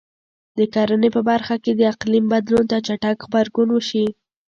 د کرنې په برخه کې د اقلیم بدلون ته چټک غبرګون وشي.